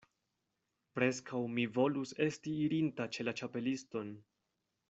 Preskaŭ mi volus esti irinta ĉe la Ĉapeliston.